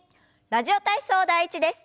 「ラジオ体操第１」です。